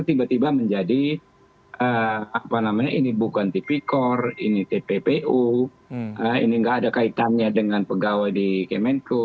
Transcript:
tiba tiba menjadi apa namanya ini bukan tipikor ini tppu ini nggak ada kaitannya dengan pegawai di kemenko